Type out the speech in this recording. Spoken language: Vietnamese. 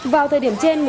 vào thời điểm trên